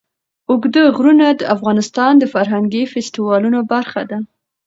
اوږده غرونه د افغانستان د فرهنګي فستیوالونو برخه ده.